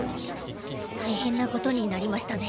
大変なことになりましたね。